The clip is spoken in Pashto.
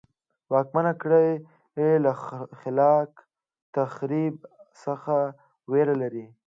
واکمنه کړۍ له خلاق تخریب څخه وېره لري.